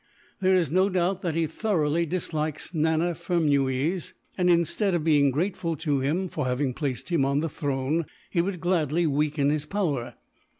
There is no doubt that he thoroughly dislikes Nana Furnuwees and, instead of being grateful to him for having placed him on the throne, he would gladly weaken his power.